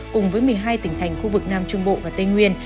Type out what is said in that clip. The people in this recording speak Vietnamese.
cùng với một mươi hai tỉnh thành khu vực nam trung bộ và tây nguyên